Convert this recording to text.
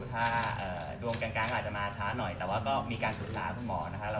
สุดยอดลงกลางอาจจะมาช้าหน่อยแต่ก็มีการกุฎสาวคุณหมอนะคะ